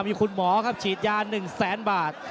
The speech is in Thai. มีคุณหมอครับฉีดยา๑แสนบาท